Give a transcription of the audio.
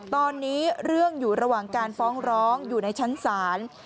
ตอนนี้เรื่องอยู่ระหว่างการฟ้องร้องอยู่ในชั้นศาล